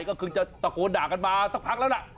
ก็คือจะตะโกนด่ากันมาสักพักแล้วล่ะ